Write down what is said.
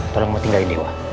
tolong mau tinggalin dewa